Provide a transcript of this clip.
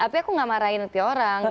tapi aku gak marahin nanti orang